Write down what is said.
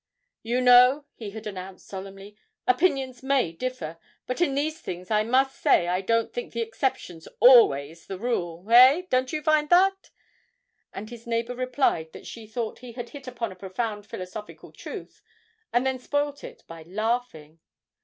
'You know,' he had announced solemnly, 'opinions may differ, but in these things I must say I don't think the exception's always the rule eh? don't you find that?' And his neighbour replied that she thought he had hit upon a profound philosophical truth, and then spoilt it by laughing.